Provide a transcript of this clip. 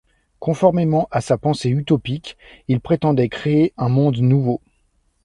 Conformément à sa pensée utopique, il prétendait créer un monde nouveau.